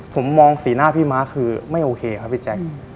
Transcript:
ผมมองสีหน้าพี่ม้าคือไม่โอเคครับพี่แจ๊ค